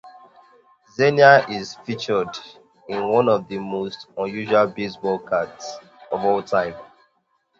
Zernial is featured in one of the most unusual baseball cards of all time.